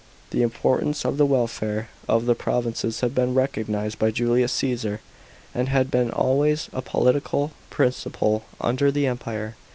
The importance of the welfare of the provinces had heen recognised by Julius Caesar, and had been always a political principle under the Empire.